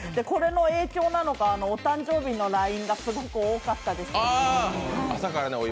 これの影響なのか、お誕生日のＬＩＮＥがすごく多かったです。